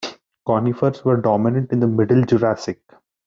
Conifers were dominant in the Middle Jurassic.